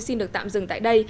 xin được tạm dừng tại đây